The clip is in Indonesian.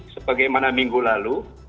sebagai mana minggu lalu